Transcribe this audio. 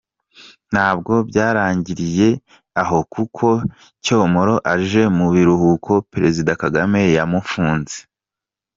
Ntabwo byarangiriye aho kuko Cyomoro aje mu biruhuko Perezida Kagame yamufunze!